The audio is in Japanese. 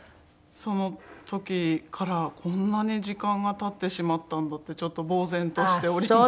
その時からこんなに時間が経ってしまったんだってちょっと呆然としております。